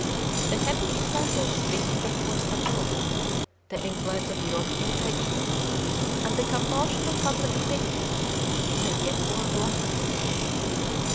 The happy examples free intercourse affords, the influence of European ideas, and the compulsion of public opinion, may yet work wonders.